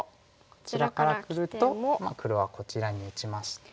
こちらからくると黒はこちらに打ちまして。